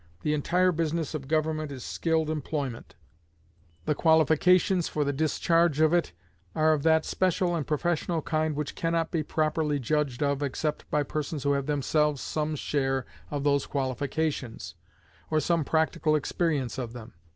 The entire business of government is skilled employment; the qualifications for the discharge of it are of that special and professional kind which can not be properly judged of except by persons who have themselves some share of those qualifications, or some practical experience of them.